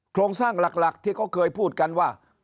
โครงสร้างหลักที่เขาเคยพูดกันว่า